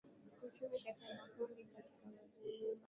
kiuchumi kati ya makundi katika jamii Mapinduzi